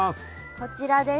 こちらです。